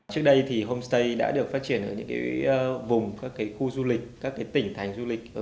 trước đây thì homestay đã được phát triển ở những vùng các khu du lịch các tỉnh thành du lịch